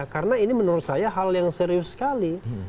karena ini menurut saya hal yang serius sekali